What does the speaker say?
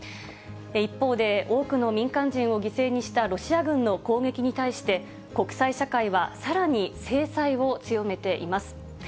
一方で、多くの民間人を犠牲にしたロシア軍の攻撃に対して、国際社会はさらに制裁を強めています。